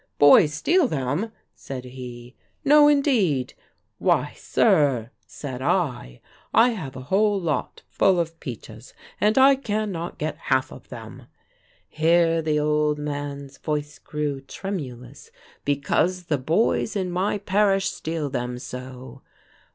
'Boys steal them!' said he. 'No, indeed!' 'Why, sir,' said I, 'I have a whole lot full of peaches, and I cannot get half of them'" here the old man's voice grew tremulous "'because the boys in my parish steal them so.'